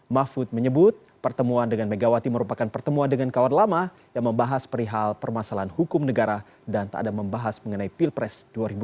mahfud menyebut pertemuan dengan megawati merupakan pertemuan dengan kawan lama yang membahas perihal permasalahan hukum negara dan tak ada membahas mengenai pilpres dua ribu sembilan belas